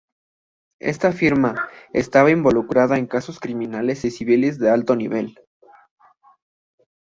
Esta firma estaba involucrada con casos criminales y civiles de alto nivel.